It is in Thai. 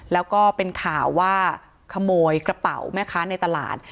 แล้วก็เป็นข่าวว่าขโมยกระเป๋าแม่ค้าในตลาด